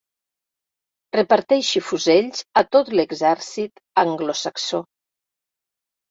Reparteixi fusells a tot l'exèrcit anglosaxó.